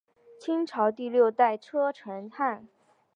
清朝第六代车臣汗。